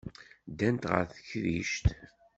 Ddant ɣer tekrict.